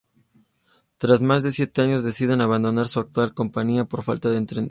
Tras más de siete años deciden abandonar su actual compañía por falta de entendimiento.